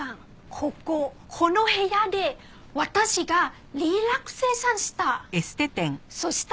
こここの部屋で私がリラクゼーションした。